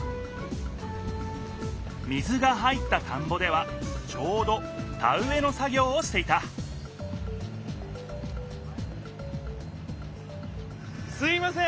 水が入った田んぼではちょうど田うえの作ぎょうをしていたすみません！